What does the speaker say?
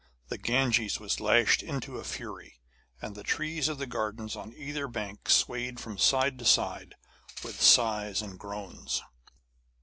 The Ganges was lashed into a fury, and the trees of the gardens on either bank swayed from side to side with sighs and groans.